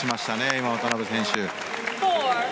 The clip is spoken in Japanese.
今、渡辺選手。